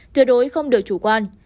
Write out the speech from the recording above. tuyệt đối không được chủ quan